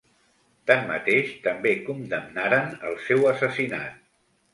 Tanmateix, també condemnaren el seu assassinat.